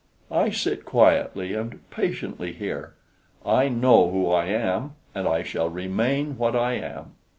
I sit quietly and patiently here. I know who I am, and I shall remain what I am."